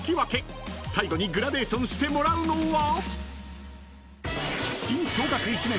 ［最後にグラデーションしてもらうのは］